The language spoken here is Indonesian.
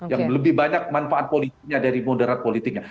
yang lebih banyak manfaat politiknya dari moderat politiknya